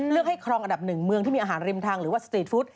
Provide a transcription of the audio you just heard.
เลือกให้ครองอันดับหนึ่งเมืองที่มีอาหารริมทางหรือว่าสตรีทฟู้ด